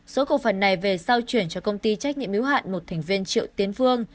số cổ phần này về sau chuyển cho công ty trách nhiệm hiếu hạn một thành viên triệu tiến phương